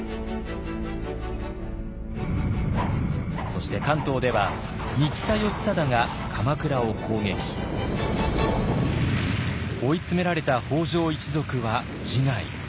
そして関東では新田義貞が鎌倉を攻撃。追い詰められた北条一族は自害。